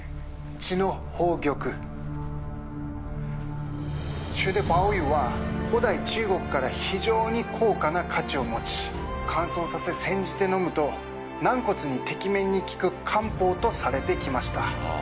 ・血的宝玉は古代中国から非常に高価な価値を持ち乾燥させ煎じて飲むと軟骨にてきめんに効く漢方とされてきました。